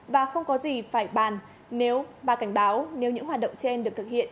và không có gì phải bàn và cảnh báo nếu những hoạt động trên được thực hiện